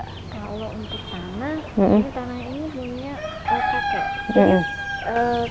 kalau untuk tanah ini tanah ini punya bkk